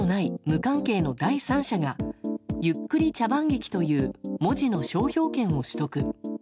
無関係の第三者が「ゆっくり茶番劇」という文字の商標権を取得。